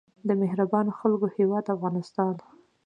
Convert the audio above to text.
د مهربانو خلکو هیواد افغانستان.